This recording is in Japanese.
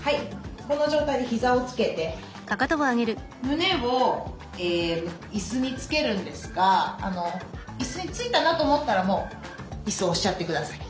この状態で膝をつけて胸をいすにつけるんですがいすについたなと思ったらもういすを押しちゃって下さい。